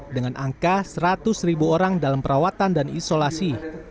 dengan angka seratus ribu orang dalam perawatan dan isolasi